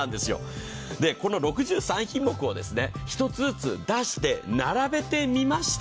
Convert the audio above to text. この６３品目を一つずつ出して並べてみました。